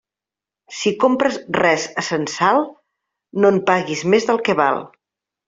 Si compres res a censal, no en paguis més del que val.